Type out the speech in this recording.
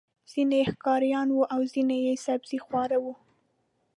ځینې یې ښکاریان وو او ځینې یې سبزيخواره وو.